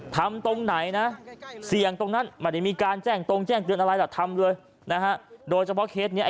ทำตรงไหนนะเสี่ยงตรงนั่นมันแต่มีการแจ้งตรงแจ้งเตือนอะไรอะทำเลยโดยเฉพาะเคสนี้